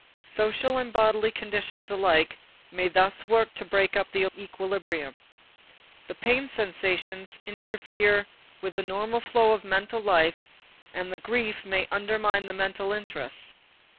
Social and bodily conditions alike may thus work to break up the equilibrium. The pain sensation interferes with the normal flow of mental life and the grief may undermine the mental interests.